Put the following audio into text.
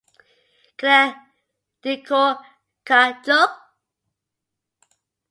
Kira nicho cha chua.